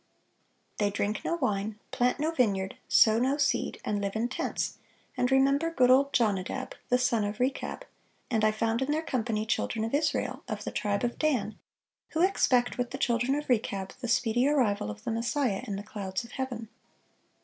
They drink no wine, plant no vineyard, sow no seed, and live in tents, and remember good old Jonadab, the son of Rechab; and I found in their company children of Israel, of the tribe of Dan, ... who expect, with the children of Rechab, the speedy arrival of the Messiah in the clouds of heaven."